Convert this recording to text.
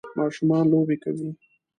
ماشومان لوبې کوي